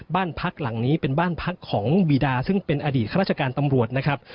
บ้านพักหลังนี้เป็นบ้านพักของบีดาซึ่งเป็นอดีตข้าราชการตำรวจนะครับ